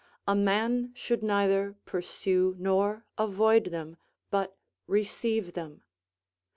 A man should neither pursue nor avoid them, but receive them.